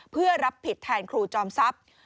เพื่อรับผิดแทนครูจอมทรัพย์